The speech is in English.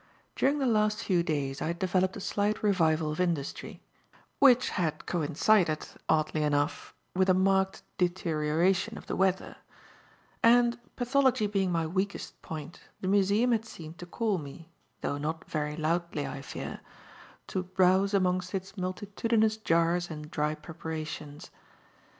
During the last few days I had developed a slight revival of industry which had coincided, oddly enough, with a marked deterioration of the weather and, pathology being my weakest point, the museum had seemed to call me (though not very loudly, I fear) to browse amongst its multitudinous jars and dry preparations.